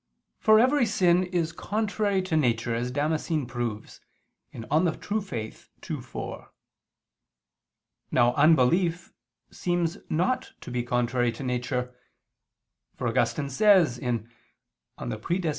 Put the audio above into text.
For every sin is contrary to nature, as Damascene proves (De Fide Orth. ii, 4). Now unbelief seems not to be contrary to nature; for Augustine says (De Praedest.